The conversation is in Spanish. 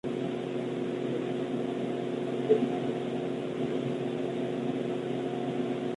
Desde este punto es posible irse de excursión por una amplia área natural.